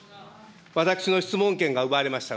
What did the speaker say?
私の質問権が奪われました。